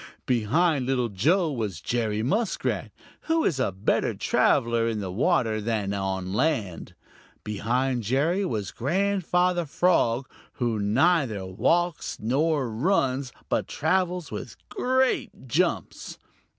Behind Little Joe was Jerry Muskrat, who is a better traveler in the water than on land. Behind Jerry was Grandfather Frog, who neither walks nor runs but travels with great jumps.